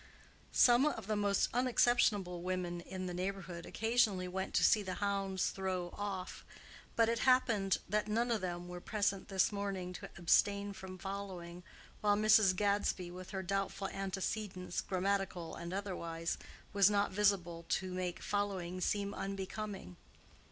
Some of the most unexceptionable women in the neighborhood occasionally went to see the hounds throw off; but it happened that none of them were present this morning to abstain from following, while Mrs. Gadsby, with her doubtful antecedents, grammatical and otherwise, was not visible to make following seem unbecoming.